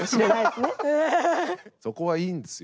そこはいいんですよ。